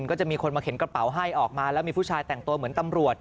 ก็จะมีคนมาเข็นกระเป๋าให้ออกมาแล้วมีผู้ชายแต่งตัวเหมือนตำรวจ